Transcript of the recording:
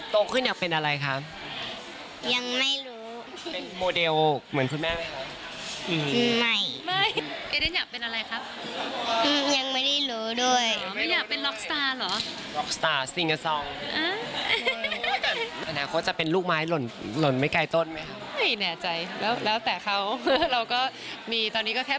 ตรงขึ้นอยากเป็นอะไรค่ะ